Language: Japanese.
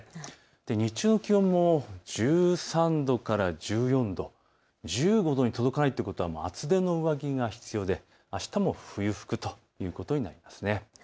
日中の気温も１３度から１４度、１５度に届かないということは厚手の上着が必要で、あしたも冬服ということになります。